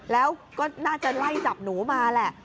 แล้วก็น่าจะไล่จับหนูมาแหละ